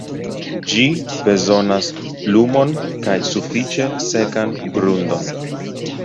Ĝi bezonas lumon kaj sufiĉe sekan grundon.